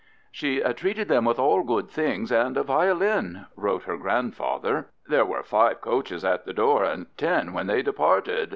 She "treated them with all good things, & a violin," wrote her grandfather. There were "5 coaches at y^e door at 10 when they departed.